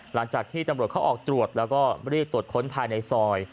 หลังจากที่ตำรวจเขาออกตรวจแล้วก็รีบตรวจค้นภายในซอย